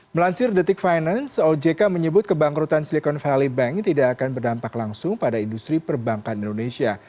melansir detik finance ojk menyebut kebangkrutan silicon valley bank tidak akan berdampak langsung pada industri perbankan indonesia